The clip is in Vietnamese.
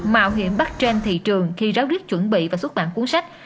mạo hiểm bắt trên thị trường khi ráo riết chuẩn bị và xuất bản cuốn sách